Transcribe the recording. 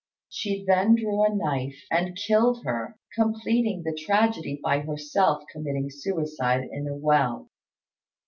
She then drew a knife and killed her, completing the tragedy by herself committing suicide in a well.